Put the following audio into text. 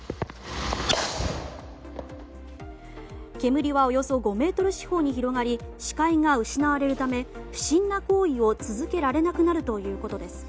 煙は、およそ５ｍ四方に広がり視界が失われるため不審な行為を続けられなくなるということです。